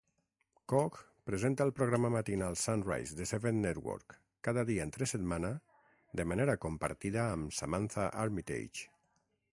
Koch presenta el programa matinal "Sunrise" de Seven Network cada dia entre setmana de manera compartida amb Samantha Armytage.